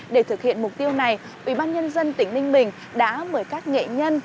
để thực hiện mục tiêu này ủy ban nhân dân tỉnh ninh bình đã mời các nghệ nhân